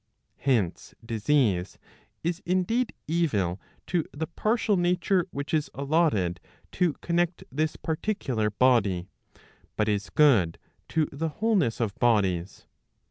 Hence disease is indeed evil to the partial nature which is allotted to connect this particular body, but is good to the wholeness of bodies.